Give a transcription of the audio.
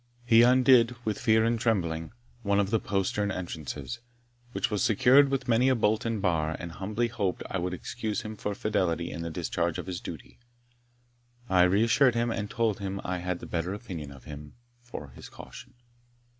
He undid, with fear and trembling, one of the postern entrances, which was secured with many a bolt and bar, and humbly hoped that I would excuse him for fidelity in the discharge of his duty. I reassured him, and told him I had the better opinion of him for his caution.